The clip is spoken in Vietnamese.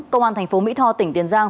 công an thành phố mỹ tho tỉnh tiền giang